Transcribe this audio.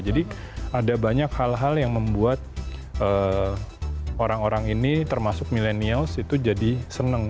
jadi ada banyak hal hal yang membuat orang orang ini termasuk millennials itu jadi seneng